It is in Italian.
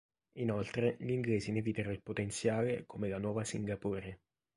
Inoltre, gli inglesi ne videro il potenziale come la nuova Singapore.